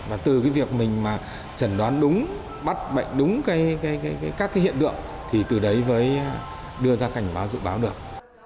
và từ việc mình trần đoán đúng bắt bệnh đúng các hiện tượng thì từ đấy mới đưa ra cảnh báo dự báo được